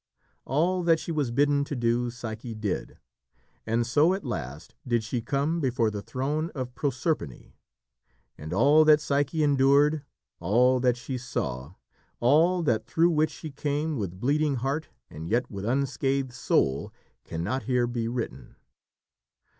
All that she was bidden to do, Psyche did, and so at last did she come before the throne of Proserpine, and all that Psyche endured, all that she saw, all that through which she came with bleeding heart and yet with unscathed soul, cannot here be written.